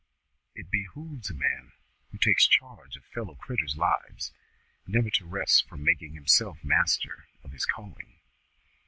It behooves a man who takes charge of fellow critturs' lives, never to rest from making himself master of his calling.